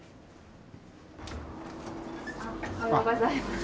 おはようございます。